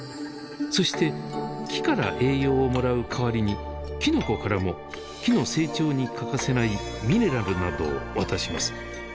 そして木から栄養をもらう代わりにきのこからも木の成長に欠かせないミネラルなどを渡します。